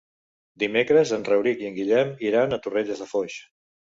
Dimecres en Rauric i en Guillem iran a Torrelles de Foix.